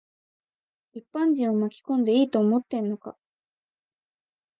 一般人を巻き込んでいいと思ってんのか。